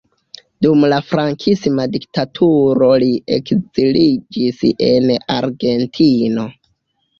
Dum la frankisma diktaturo li ekziliĝis en Argentino.